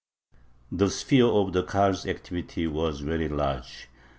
The sphere of the Kahal's activity was very large.